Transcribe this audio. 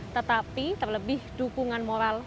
tetapi terlebih dukungan moral